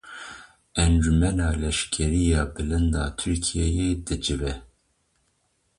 Encûmena Leşkerî ya Bilind a Tirkiyeyê dicive.